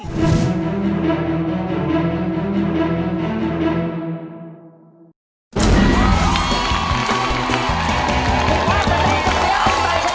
ผมว่าจะได้กระเทียบใส่ชนะ